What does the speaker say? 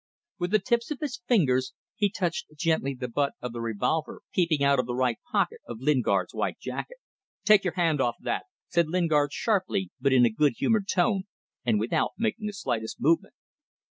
With the tips of his fingers he touched gently the butt of a revolver peeping out of the right pocket of Lingard's white jacket. "Take your hand off that," said Lingard sharply, but in a good humoured tone and without making the slightest movement.